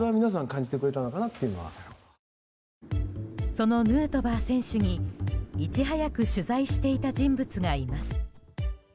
そのヌートバー選手にいち早く取材していた人物がいます。